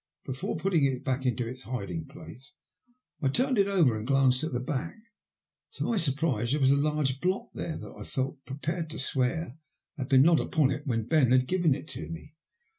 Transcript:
Before putting it back into its hiding place I turned it over and glanced at the back. To my surprise there was a large blot there that I felt prepared to swear had not been upon it when Ben had given it to me.